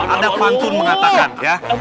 ada pantun mengatakan ya